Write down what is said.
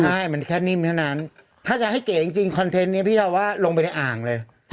ใช่มันแค่นิ่มเท่านั้นถ้าจะให้เก๋จริงคอนเทนต์นี้พี่ชาวว่าลงไปในอ่างเลย